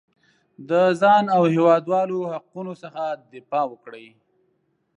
د ځان او هېوادوالو حقونو څخه دفاع وکړي.